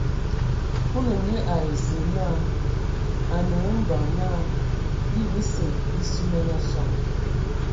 Kulu nye ai Zǝə naa: A nǝ hm mbeŋ naa bii bəse bii suman a soŋ.